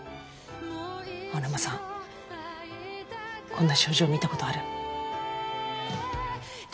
青沼さんこんな症状見たことある？